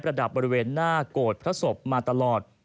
ระดับบริเวณหน้าโกรธพระศพมาตลอด